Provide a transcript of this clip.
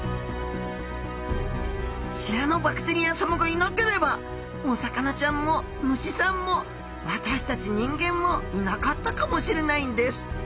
シアノバクテリアさまがいなければお魚ちゃんも虫さんも私たち人間もいなかったかもしれないんです。